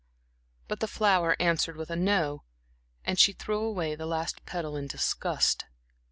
But the flower answered with a "no," and she threw away the last petal in disgust.